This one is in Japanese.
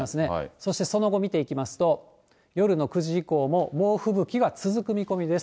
そしてその後、見ていきますと、夜の９時以降も猛吹雪が続く見込みです。